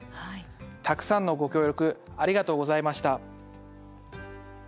たくさんのご協力ありがとうございました。